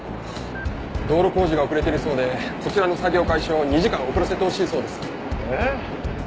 道路工事が遅れてるそうでこちらの作業開始を２時間遅らせてほしいそうです。え？